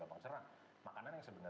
lebih ke sisi makanan yang nasi putih ya